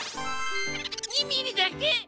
２ミリだけ。